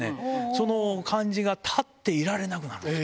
その感じが立っていられなくなるんです。